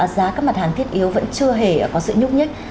giá các mặt hàng thiết yếu vẫn chưa hề có sự nhúc nhích